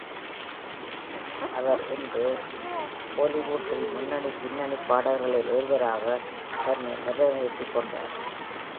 அவர் இன்று பாலிவுட்டில் முன்னணி பின்னணி பாடகர்களில் ஒருவராக தன்னை நிலைநிறுத்திக் கொண்டார்.